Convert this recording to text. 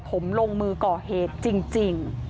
ผมลงมือก่อเหตุจริง